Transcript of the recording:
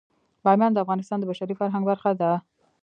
بامیان د افغانستان د بشري فرهنګ برخه ده.